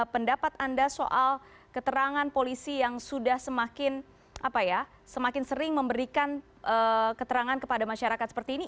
pendapat anda soal keterangan polisi yang sudah semakin sering memberikan keterangan kepada masyarakat seperti ini